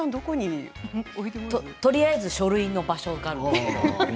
とりあえず書類の場所があるんです。